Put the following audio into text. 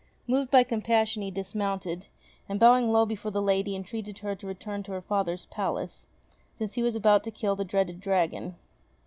Moved by compassion he dismounted, and bowing low before the lady entreated her to return to her father's palace, since he was about to kill the dreaded dragon.